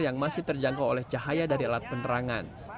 yang masih terjangkau oleh cahaya dari alat penerangan